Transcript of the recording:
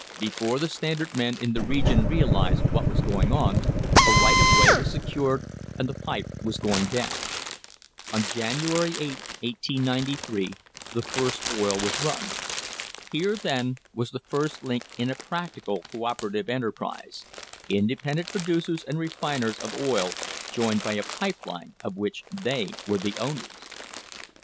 Before the Standard men in the region realised what was going on, a right of way was secured and the pipe was going down. On January 8, 1893, the first oil was run. Here, then, was the first link in a practical co operative enterprise independent producers and refiners of oil joined by a pipe line of which they were the owners.